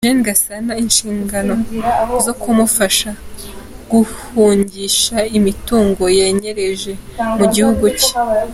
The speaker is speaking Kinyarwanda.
Eugene Gasana inshingano zo kumufasha guhungisha imitungo yanyereje mu gihugu cye.